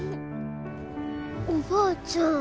おばあちゃん